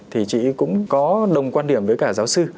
thì chị cũng có đồng quan điểm với cả giáo sư